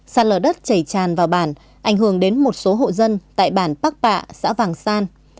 sạt lở đất chảy tràn vào bàn ảnh hưởng đến một số hộ dân tại bàn bắc bạ xã vàng san